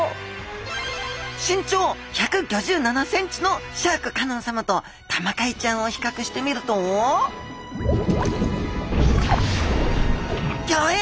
身長１５７ｃｍのシャーク香音さまとタマカイちゃんを比較してみるとギョエ！